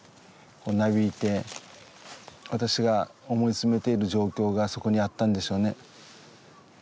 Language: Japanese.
なびいて私が思い詰めている状況がそこにあったんでしょうね。